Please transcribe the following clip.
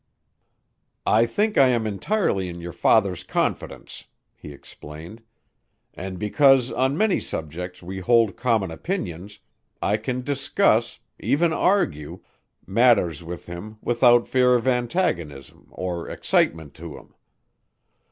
"I think I am entirely in your father's confidence," he explained, "and because, on many subjects, we hold common opinions, I can discuss even argue matters with him without fear of antagonism or excitement to him.